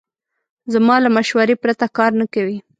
زما له مشورې پرته کار نه کوي.